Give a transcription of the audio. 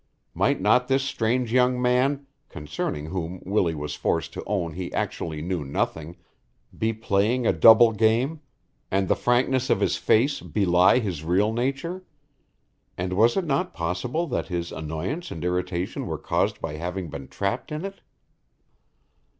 Might not this strange young man, concerning whom Willie was forced to own he actually knew nothing, be playing a double game, and the frankness of his face belie his real nature? And was it not possible that his annoyance and irritation were caused by having been trapped in it?